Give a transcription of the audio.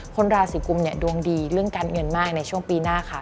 คนราศีกุมเนี่ยดวงดีเรื่องการเงินมากในช่วงปีหน้าค่ะ